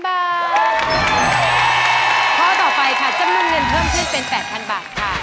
ข้อต่อไปค่ะจำนวนเงินเพิ่มขึ้นเป็น๘๐๐๐บาทค่ะ